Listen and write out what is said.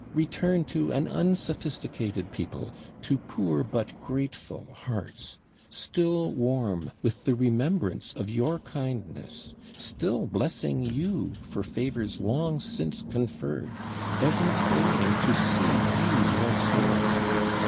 Return to an unsophisticated people to poor, but grateful hearts, still warm with the remembrance of your kindness, still blessing you for favours long since conferred, ever praying to see you once more.